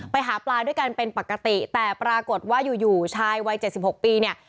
ไปหาปลาด้วยกันเป็นปกติแต่ปรากฏว่าอยู่อยู่ชายวัย๗๖ปีเนี่ย